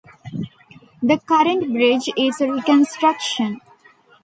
The current bridge is a reconstruction.